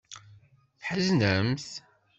Tḥeznemt?